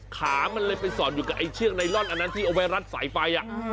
ขามันเลยไปสอดอยู่กับไอ้เชือกไนลอนอันนั้นที่เอาไว้รัดสายไฟ